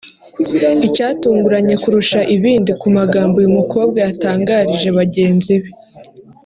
Icyatunguranye kurusha ibindi ku magambo uyu mukobwa yatangarije bagenzi be